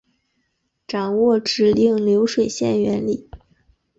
掌握指令流水线原理